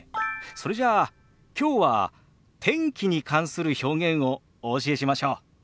それじゃあきょうは天気に関する表現をお教えしましょう。